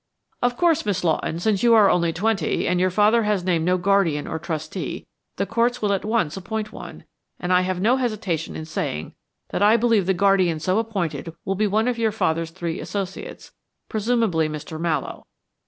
"Of course, Miss Lawton, since you are only twenty, and your father has named no guardian or trustee, the courts will at once appoint one, and I have no hesitation in saying that I believe the guardian so appointed will be one of your father's three associates, presumably Mr. Mallowe.